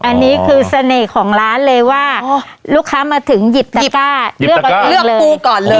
อันนี้คือเสน่ห์ของร้านเลยว่าลูกค้ามาถึงหยิบกีป้าเลือกปูก่อนเลย